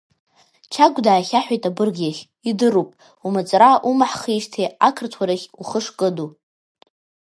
Чагә даахьаҳәит абырг иахь, идыруп, умаҵура умаҳхижьҭеи, ақырҭқәа рахь ухы шкыду.